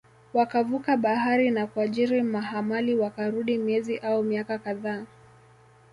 wakavuka bahari na kuajiri mahamali Wakarudi miezi au miaka kadhaa